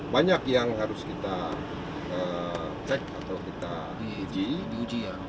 banyak yang harus kita cek atau kita diuji ya